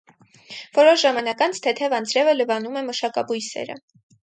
Որոշ ժամանակ անց թեթև անձրևը լվանում է մշակաբույսերը։